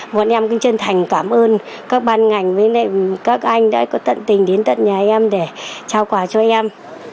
bọn em cũng chân thành cảm ơn các ban ngành với các anh đã có tận tình đến tận nhà em để trao quà cho em